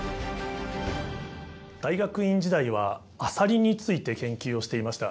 大学院時代はアサリについて研究をしていました。